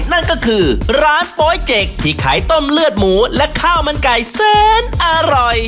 นั่นก็คือร้านโป๊ยเจกที่ขายต้มเลือดหมูและข้าวมันไก่แสนอร่อย